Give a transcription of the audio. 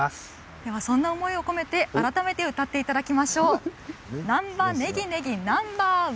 ではそんな思いを込めて改めて歌っていただきましょう「難波ネギネギ Ｎｏ．１」